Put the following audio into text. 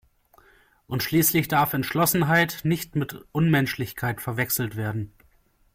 Und schließlich darf Entschlossenheit nicht mit Unmenschlichkeit verwechselt werden.